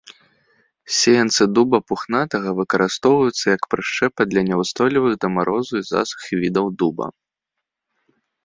Сеянцы дуба пухнатага выкарыстоўваюцца як прышчэпа для няўстойлівых да марозу і засухі відаў дуба.